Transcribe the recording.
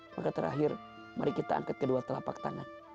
maka terakhir mari kita angkat kedua telapak tangan